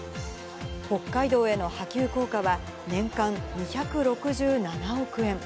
北海道への波及効果は、年間２６７億円。